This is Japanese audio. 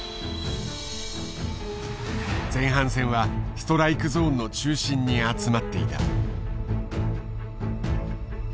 前半戦はストライクゾーンの中心に集まっていた。